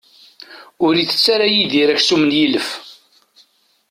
Ur itett ara Yidir aksum n yilef.